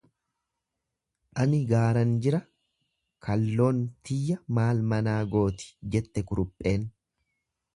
Ani gaaran jira, kalloon tiyya maal manaa gooti?, jette kurupheen.